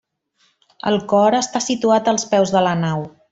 El cor està situat als peus de la nau.